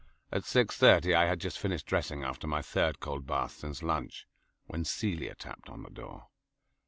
At six thirty I had just finished dressing after my third cold bath since lunch, when Celia tapped on the door.